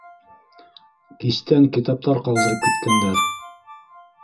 — Кистән китаптар ҡалдырып киткәндәр